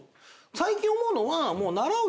最近思うのは。